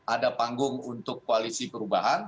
ada panggung untuk koalisi perubahan